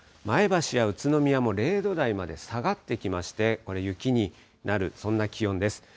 前橋や宇都宮も０度台まで下がってきまして、これ、雪になる、そんな気温です。